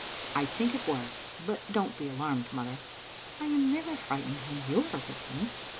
" I think it was; but don't be alarmed, mother." " I am never frightened when you are with me."